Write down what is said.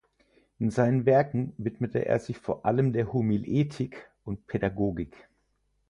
In seinen Werken widmete er sich vor allem der Homiletik und Pädagogik.